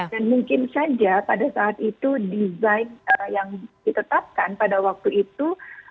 dan mungkin saja pada saat itu design yang ditetapkan pada waktu itu